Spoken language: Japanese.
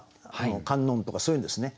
観音とかそういうんですね。